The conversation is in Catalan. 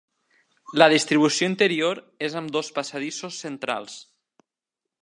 La distribució interior és amb dos passadissos centrals.